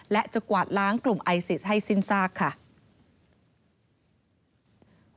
และจะกวาดล้างกลุ่มไอซิสให้สิ้นซากค่ะ